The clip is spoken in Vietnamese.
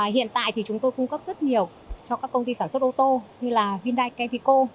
hiện tại thì chúng tôi cung cấp rất nhiều cho các công ty sản xuất ô tô như là hyundai kefiko